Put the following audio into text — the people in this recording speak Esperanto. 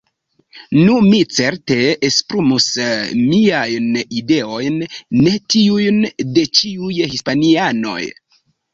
Nu, mi certe esprimus miajn ideojn, ne tiujn de ĉiuj hispanianoj.